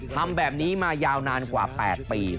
ทำแบบนี้มายาวนานกว่า๘ปี